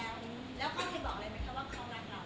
แล้วก็เคยบอกอะไรไหมคะว่าเขารักเรา